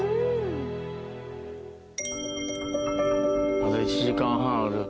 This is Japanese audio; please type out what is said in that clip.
まだ１時間半ある。